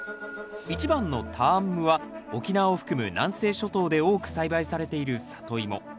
１番のターンムは沖縄を含む南西諸島で多く栽培されているサトイモ。